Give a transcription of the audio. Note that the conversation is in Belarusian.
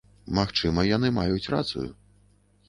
Магчыма, яны маюць рацыю.